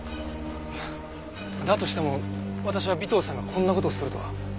いやだとしても私は尾藤さんがこんな事をするとは。